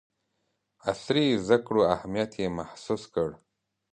عصري زدکړو اهمیت یې محسوس کړ.